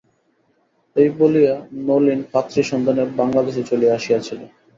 এই বলিয়া নলিন পাত্রীর সন্ধানে বাংলাদেশে চলিয়া আসিয়াছিল।